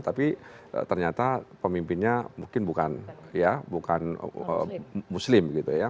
tapi ternyata pemimpinnya mungkin bukan muslim